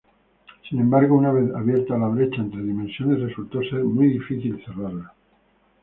Sin embargo, una vez abierta la brecha entre dimensiones, resultó ser muy difícil cerrarla.